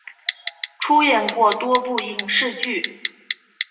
出演过多部影视剧。